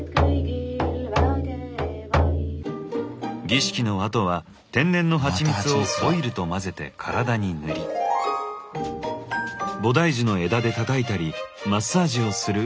儀式のあとは天然のはちみつをオイルと混ぜて体に塗り菩提樹の枝でたたいたりマッサージをする